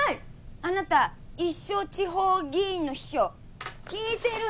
あなた一生地方議員の秘書聞いてるの？